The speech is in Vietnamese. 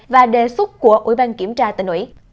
và đề xuất của ủy ban kiểm tra tỉnh ủy